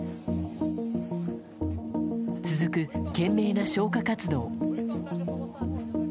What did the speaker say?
続く、懸命な消火活動。